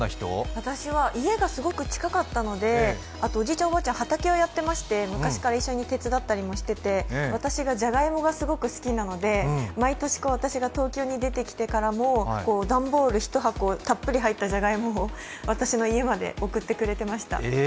私は家がすごく近かったので、そしておじいちゃん、おばあちゃんは畑をやっていまして、昔から一緒に手伝ったりしていて私がじゃがいもがすごく好きなので、毎年、私が東京に出てきてからも段ボール１箱、たっぷり入ったじゃがいもを、私の家まで送ってくれていました。